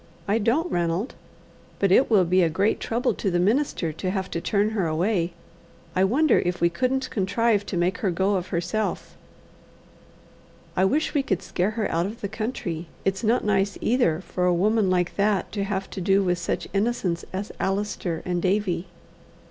I don't, Ranald. But it will be a great trouble to the minister to have to turn her away. I wonder if we couldn't contrive to make her go of herself. I wish we could scare her out of the country. It's not nice either for a woman like that to have to do with such innocents as Allister and Davie."